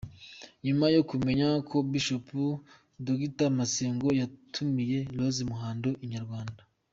Nyuma yo kumenya ko Bishop Dr Masengo yatumiye Rose Muhando, Inyarwanda.